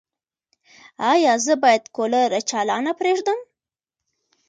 ایا زه باید کولر چالانه پریږدم؟